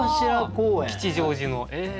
吉祥寺の。